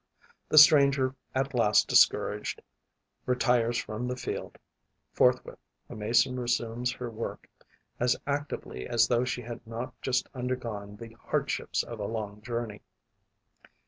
The stranger, at last discouraged, retires from the field. Forthwith the Mason resumes her work, as actively as though she had not just undergone the hardships of a long journey.